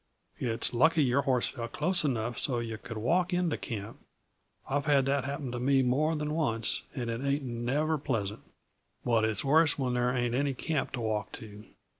It's lucky your horse fell close enough so yuh could walk in to camp; I've had that happen to me more than once, and it ain't never pleasant but it's worse when there ain't any camp to walk to.